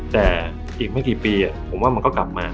แต่อีกไม่กี่ปีผมว่ามันก็กลับมา